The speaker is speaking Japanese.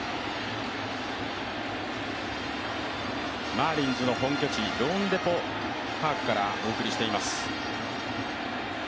マーリンズの本拠地、ローンデポ・パークからお送りしております。